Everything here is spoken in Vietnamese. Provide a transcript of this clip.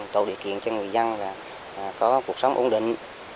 tổ địa kiện cho người dân là có cuộc sống ổn định